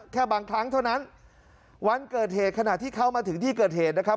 แค่บางครั้งเท่านั้นวันเกิดเหตุขณะที่เข้ามาถึงที่เกิดเหตุนะครับ